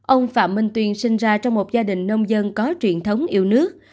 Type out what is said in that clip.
ông phạm minh tuyên sinh ra trong một gia đình nông dân có truyền thống yêu nước